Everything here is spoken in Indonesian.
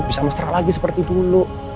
bisa mesra lagi seperti dulu